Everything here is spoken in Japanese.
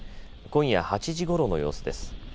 今夜８時ごろの様子です。